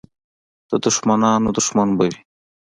د دښمنانو دښمن به وي.